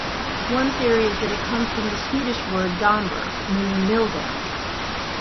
One theory is that it comes from the Swedish word "damber", meaning "milldam".